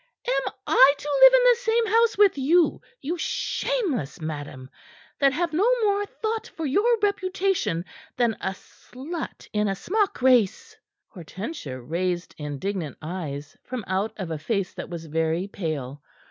Am I to live in the same house with you, you shameless madam that have no more thought for your reputation than a slut in a smock race?" Hortensia raised indignant eyes from out of a face that was very pale.